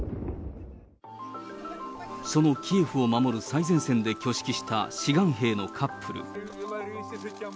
そのキエフを守る最前線で挙式した志願兵のカップル。